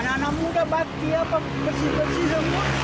anak anak muda bakti apa bersih bersih semua